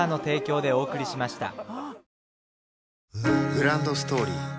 グランドストーリー